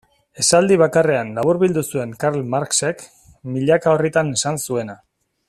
Esaldi bakarrean laburbildu zuen Karl Marxek milaka orritan esan zuena.